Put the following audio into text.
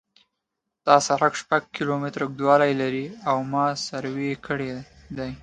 دا سرک شپږ کیلومتره اوږدوالی لري او ما سروې کړی دی